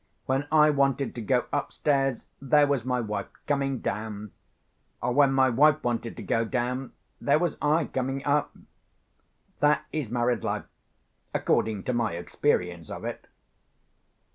When I wanted to go upstairs, there was my wife coming down; or when my wife wanted to go down, there was I coming up. That is married life, according to my experience of it.